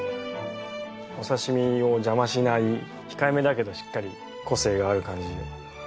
お刺し身を邪魔しない控えめだけどしっかり個性がある感じ。